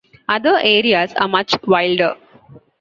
Other areas are much wilder.